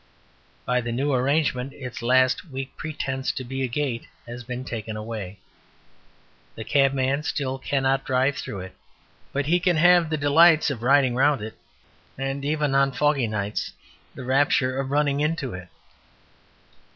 By the new arrangement its last weak pretence to be a gate has been taken away. The cabman still cannot drive through it, but he can have the delights of riding round it, and even (on foggy nights) the rapture of running into it.